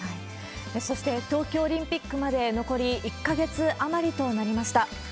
そして東京オリンピックまで残り１か月余りとなりました。